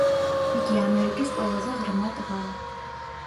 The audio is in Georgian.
იგი ამერიკის ყველაზე ღრმა ტბაა.